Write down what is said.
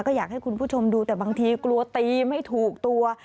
ก็อยากให้คุณผู้ชมดูแต่บางทีกลัวตีไม่ถูกตัว